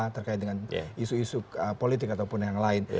terkait dengan isu isu politik ataupun yang lain